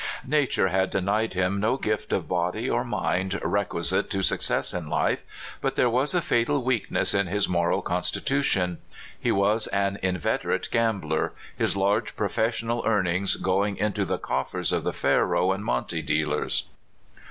Nature had denied him no gift of body or mind requisite to success in Ufe, but there was a fatal weakness in his moral consti tution. He was an inveterate gambler, his large professional earnings going into the coffers of the faro and monte dealers.